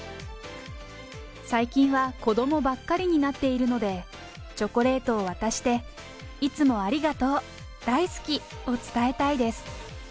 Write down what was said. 最近は子どもばっかりになっているので、チョコレートを渡して、いつもありがとう、大好きを伝えたいです。